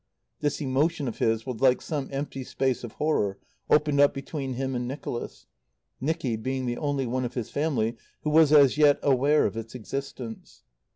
This emotion of his was like some empty space of horror opened up between him and Nicholas; Nicky being the only one of his family who was as yet aware of its existence.